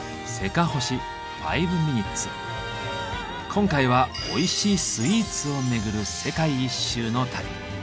今回はおいしいスイーツを巡る世界一周の旅。